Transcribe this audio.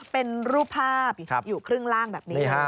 เป็นรูปภาพอยู่ครึ่งล่างแบบนี้